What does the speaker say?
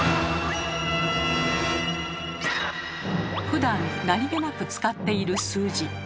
ふだん何気なく使っている数字。